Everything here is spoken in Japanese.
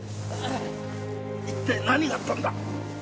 一体何があったんだ？